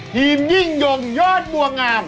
ทีมยิ่งย่องยอดบ่วงงาม